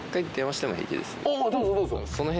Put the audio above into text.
おおどうぞどうぞ。